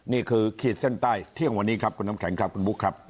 ขีดเส้นใต้เที่ยงวันนี้ครับคุณน้ำแข็งครับคุณบุ๊คครับ